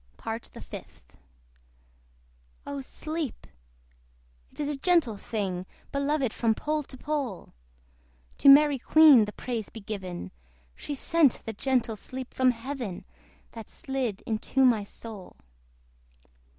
PART THE FIFTH. Oh sleep! it is a gentle thing, Beloved from pole to pole! To Mary Queen the praise be given! She sent the gentle sleep from Heaven, That slid into my soul.